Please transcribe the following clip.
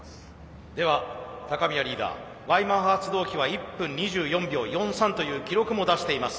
では高宮リーダーＹマハ発動機は１分２４秒４３という記録も出しています。